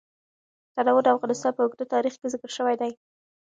تنوع د افغانستان په اوږده تاریخ کې ذکر شوی دی.